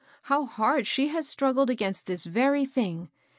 how hard she has struggled against this very thing